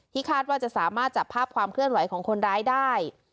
คาดว่าจะสามารถจับภาพความเคลื่อนไหวของคนร้ายได้